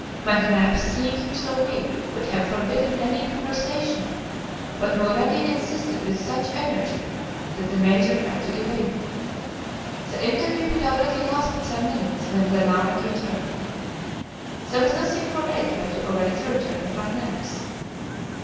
McNabbs seeing him so weak, would have forbidden any conversation; but Mulrady insisted with such energy that the Major had to give in. The interview had already lasted some minutes when Glenarvan returned. There was nothing for it but to await the return of McNabbs.